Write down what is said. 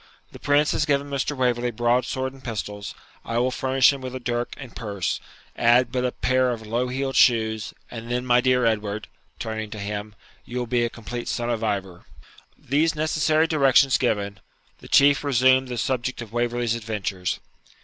The Prince has given Mr. Waverley broadsword and pistols, I will furnish him with a dirk and purse; add but a pair of low heeled shoes, and then, my dear Edward (turning to him), you will be a complete son of Ivor.' These necessary directions given, the Chieftain resumed the subject of Waverley's adventures.